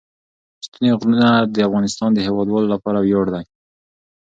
ستوني غرونه د افغانستان د هیوادوالو لپاره ویاړ دی.